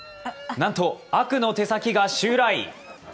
なんと、悪の手先が襲来。